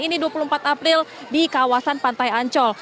ini dua puluh empat april di kawasan pantai ancol